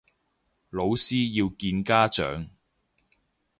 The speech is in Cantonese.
老師要見家長